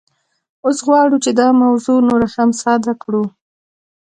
اوس غواړو چې دا موضوع نوره هم ساده کړو